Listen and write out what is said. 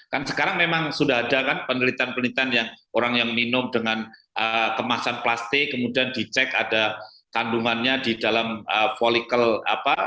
kan sekarang memang sudah ada kan penelitian penelitian yang orang yang minum dengan kemasan plastik kemudian dicek ada kandungannya di dalam volikel apa